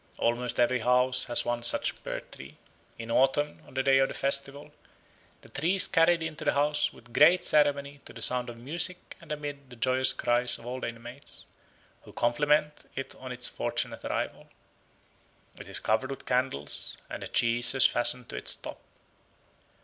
Almost every house has one such pear tree. In autumn, on the day of the festival, the tree is carried into the house with great ceremony to the sound of music and amid the joyous cries of all the inmates, who compliment it on its fortunate arrival. It is covered with candles, and a cheese is fastened to its top.